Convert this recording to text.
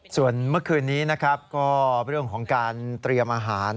ส่วนเมื่อคืนนี้นะครับก็เรื่องของการเตรียมอาหาร